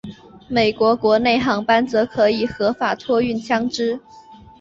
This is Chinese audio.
美国国内航班则可以合法的托运枪支。